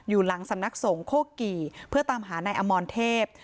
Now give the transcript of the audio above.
อยู่หลังสำนักสงฆกี่เพื่อตามหานายอมรเทพ